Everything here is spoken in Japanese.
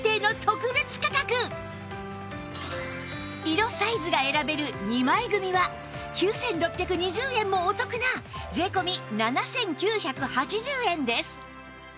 色サイズが選べる２枚組は９６２０円もお得な税込７９８０円です